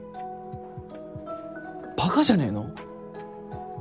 ばかじゃねえの？